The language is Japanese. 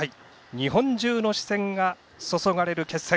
日本中の視線が注がれる決戦。